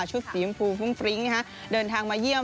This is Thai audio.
ชุดสีภูมิฟริ้งนะคะเดินทางมาเยี่ยม